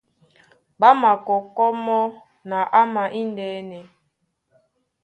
Ɓá makɔkɔ́ mɔ́ na ama índɛ́nɛ.